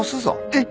えっ！？